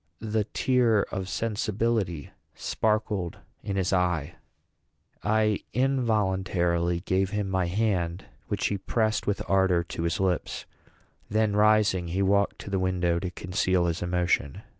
The tear of sensibility sparkled in his eye. I involuntarily gave him my hand, which he pressed with ardor to his lips; then, rising, he walked to the window to conceal his emotion.